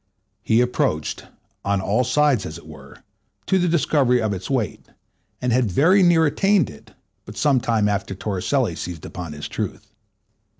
He approached, on all sides as it were, to the discovery of its weight, and had very near attained it, but some time after Torricelli seized upon his truth.